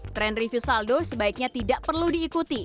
tren review saldo sebaiknya tidak perlu diikuti